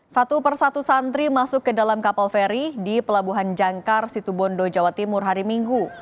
satu persatu santri masuk ke dalam kapal feri di pelabuhan jangkar situbondo jawa timur hari minggu